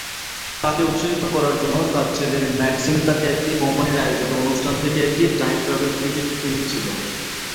তাকে উৎসাহিত করার জন্য, তার ছেলে ম্যাক্সিম তাকে একটি কোম্পানির আয়োজিত অনুষ্ঠান থেকে একটি "টাইম ট্রাভেল" টিকিট কিনেছিল।